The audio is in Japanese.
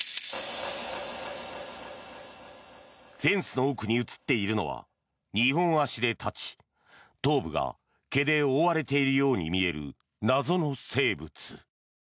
フェンスの奥に映っているのは二本足で立ち頭部が毛で覆われているように見える謎の生物。